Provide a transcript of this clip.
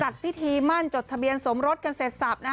จัดพิธีมั่นจดทะเบียนสมรสกันเสร็จสับ